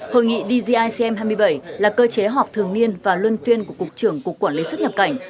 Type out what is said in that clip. hội nghị dgicm hai mươi bảy là cơ chế họp thường niên và luân phiên của cục trưởng cục quản lý xuất nhập cảnh